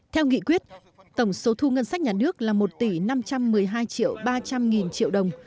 theo nghị quyết tổng số thu ngân sách nhà nước là một tỷ năm trăm một mươi hai triệu ba trăm linh nghìn triệu đồng